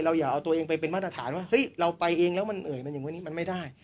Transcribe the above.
อย่าเอาตัวเองไปเป็นมาตรฐานว่าเฮ้ยเราไปเองแล้วมันเอ่ยมันอย่างวันนี้มันไม่ได้